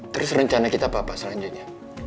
terus rencana kita apa pak selanjutnya